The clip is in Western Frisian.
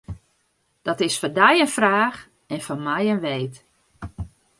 Dat is foar dy in fraach en foar my in weet.